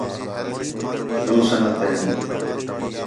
ݙُُِو سُنّت ہین